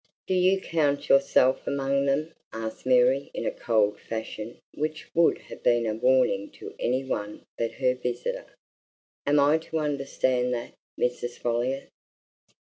"Do you count yourself among them?" asked Mary in a cold fashion which would have been a warning to any one but her visitor. "Am I to understand that, Mrs. Folliot?"